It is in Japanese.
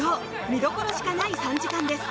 見どころしかない３時間です！